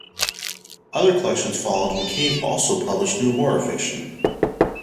Other collections followed and Cave also published new horror fiction.